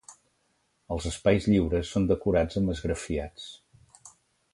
Els espais lliures són decorats amb esgrafiats.